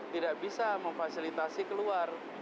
tidak bisa memfasilitasi keluar